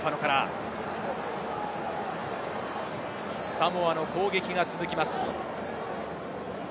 サモアの攻撃が続きます。